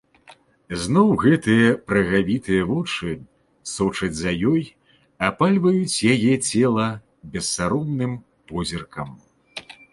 Зноў гэтыя прагавітыя вочы сочаць за ёю, апальваюць яе цела бессаромным позіркам.